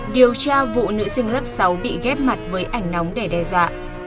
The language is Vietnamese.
điều tra vụ nữ sinh lớp sáu bị ghép mặt với ảnh nóng để đe dọa